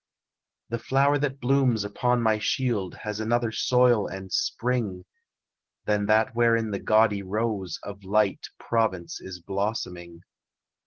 "The flower that blooms upon my shield It has another soil and spring Than that wherein the gaudy rose Of light Provence is blossoming.